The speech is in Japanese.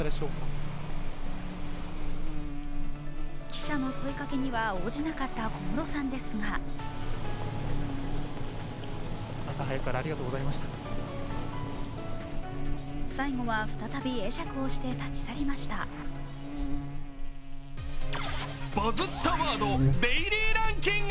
記者の問いかけには応じなかった小室さんですが最後は再び会釈をして立ち去りました。